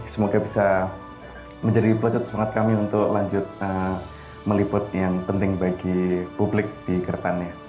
semoga bisa menjadi pelecet semangat kami untuk lanjut meliput yang penting bagi publik di keretannya